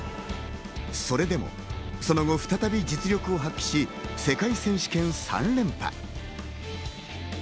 それでもその後、再び実力を発揮し、世界選手権３連覇。